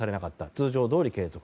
通常どおり継続。